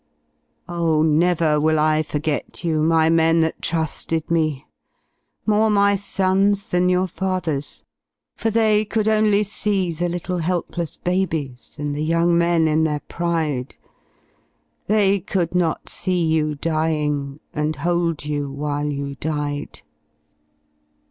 Oh, never will I forget you, My men that trusted me. More my sons than your fathers'. For they could only see The little helpless babies And the young men in their pride. They could not see you dying. And hold you while you died.